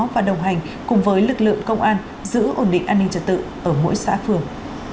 và đồng hành cùng với lực lượng công an giữ ổn định an ninh trật tự ở mỗi xã phường